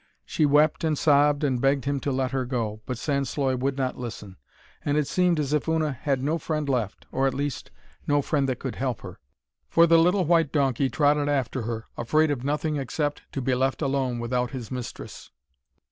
She wept and sobbed and begged him to let her go, but Sansloy would not listen. And it seemed as if Una had no friend left, or, at least, no friend that could help her. For the little white donkey trotted after her, afraid of nothing except to be left alone without his mistress.